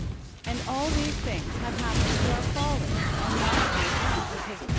And all these things have happened through our folly and not on account of his power.